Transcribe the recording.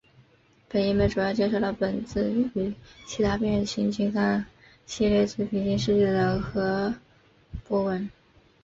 本页面主要介绍了来自于其他变形金刚系列之平行世界的柯博文。